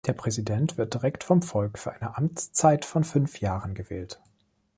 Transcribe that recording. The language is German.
Der Präsident wird direkt vom Volk für eine Amtszeit von fünf Jahren gewählt.